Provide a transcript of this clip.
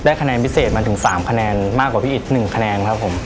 คะแนนพิเศษมาถึง๓คะแนนมากกว่าพี่อิต๑คะแนนครับผม